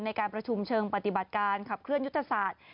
ในการประชุมเชิงปฏิบัติการขับเคลื่อนยุทธศาสตร์